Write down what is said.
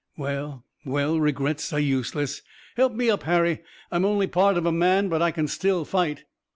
"Well, well, regrets are useless. Help me up, Harry. I'm only part of a man, but I can still fight."